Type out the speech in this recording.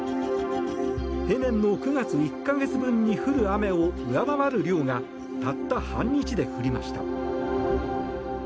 平年の９月１か月分に降る雨を上回る量がたった半日で降りました。